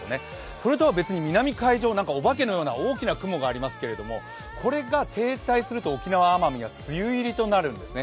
それとは別に南海上、お化けのような大きな雲がありますけれども、これが停滞すると沖縄・奄美は梅雨入りとなるんですね。